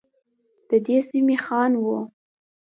ددې سمي خان وه.